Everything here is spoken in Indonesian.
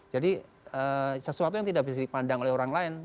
jadi sesuatu yang tidak bisa dipandang oleh orang lain